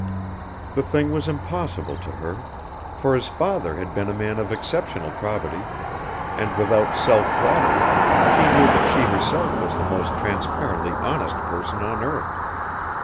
The thing was impossible to her, for his father had been a man of exceptional probity and, without self flattery, she knew that she herself was the most transparently honest person on earth.